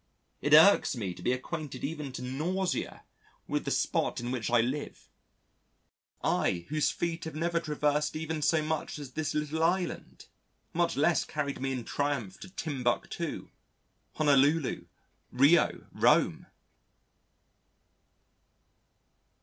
It irks me to be acquainted even to nausea with the spot in which I live, I whose feet have never traversed even so much as this little island much less carried me in triumph to Timbuctoo, Honolulu, Rio, Rome.